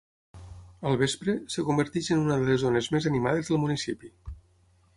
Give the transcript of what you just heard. Al vespre, es converteix en una de les zones més animades del municipi.